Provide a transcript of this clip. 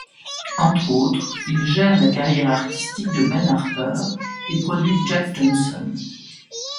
Entre autres, il gère la carrière artistique de Ben Harper et produit Jack Johnson.